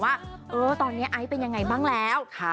เพราะว่ามีเพื่อนซีอย่างน้ำชาชีระนัทอยู่เคียงข้างเสมอค่ะ